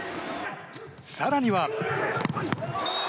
更には。